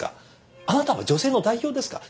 あなたは女性の代表ですか？